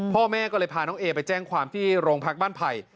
พ่อแม่ก็เลยพาน้องเอไปแจ้งความที่โรงพักบ้านไผ่